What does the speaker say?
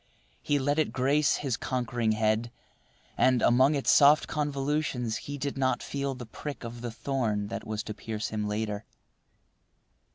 He let it grace his conquering head, and, among its soft convolutions, he did not feel the prick of the thorn that was to pierce him later.